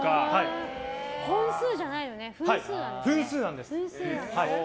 本数じゃないのね分数なんですね。